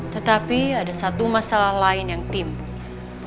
tetapi ada satu masalah lain yang timbul